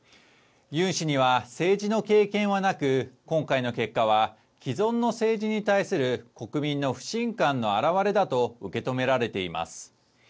ユン氏には、政治の経験はなく、今回の結果は既存の政治に対する国民の不信感の表れだと受け止められています。